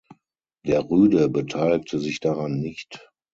Der Rüde beteiligte sich daran nicht.